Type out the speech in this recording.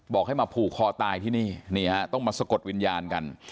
บอกให้มาผูกคอตายที่นี่นี่ฮะต้องมาสะกดวิญญาณกัน